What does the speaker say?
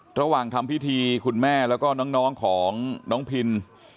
ระหว่างทำพิธีคุณแม่แล้วก็น้องของน้องพิน